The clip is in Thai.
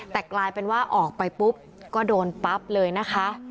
แต่กลายเป็นว่าออกไปปุ๊บก็โดนปั๊บเลยนะคะ